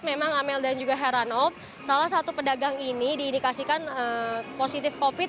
memang amel dan juga heranov salah satu pedagang ini diindikasikan positif covid